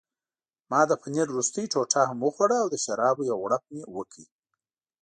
ما د پنیر وروستۍ ټوټه هم وخوړه او د شرابو یو غوړپ مې وکړ.